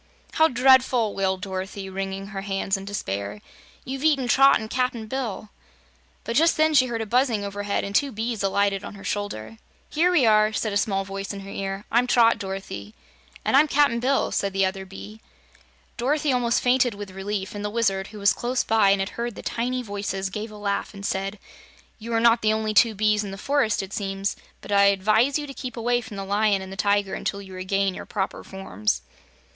"How dreadful!" wailed Dorothy, wringing her hands in despair. "You've eaten Trot and Cap'n Bill." But just then she heard a buzzing overhead and two bees alighted on her shoulder. "Here we are," said a small voice in her ear. "I'm Trot, Dorothy." "And I'm Cap'n Bill," said the other bee. Dorothy almost fainted, with relief, and the Wizard, who was close by and had heard the tiny voices, gave a laugh and said: "You are not the only two bees in the forest, it seems, but I advise you to keep away from the Lion and the Tiger until you regain your proper forms."